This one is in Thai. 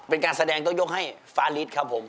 เป็นการแสดงต้นยกให้ฟานฤทธิ์ครับผม